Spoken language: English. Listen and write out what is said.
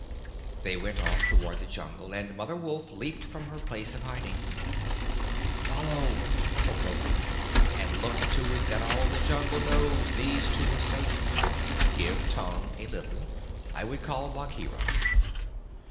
They went off toward the Jungle, and Mother Wolf leaped from her place of hiding. "Follow!" said Mowgli; "and look to it that all the Jungle knows these two are safe. Give tongue a little. I would call Bagheera."